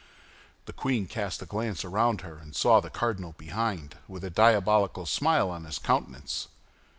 The queen cast a glance around her, and saw the cardinal behind, with a diabolical smile on his countenance.